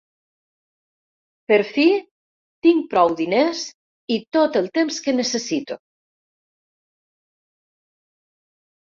Per fi tinc prou diners i tot el temps que necessito.